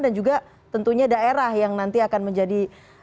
dan juga tentunya daerah yang nanti akan menjadi